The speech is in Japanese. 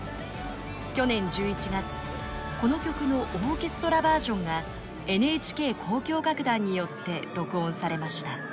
去年１１月この曲のオーケストラバージョンがＮＨＫ交響楽団によって録音されました。